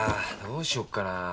どうしよっかな？